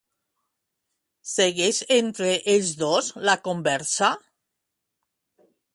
Segueix entre ells dos, la conversa?